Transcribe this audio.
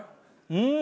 うん！